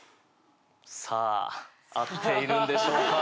さぁ合っているんでしょうか？